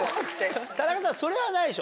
田中さんそれはないでしょ？